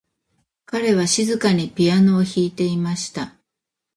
彼は静かにピアノを弾いていました。